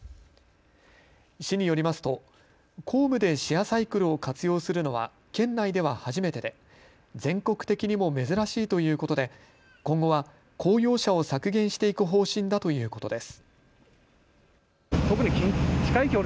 市によりますと、公務でシェアサイクルを活用するのは県内では初めてで全国的にも珍しいということで今後は公用車を削減していく方針だということです。